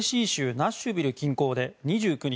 ナッシュビル近郊で２９日